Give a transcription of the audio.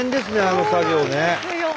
あの作業ね。